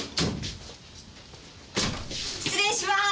失礼しまーす！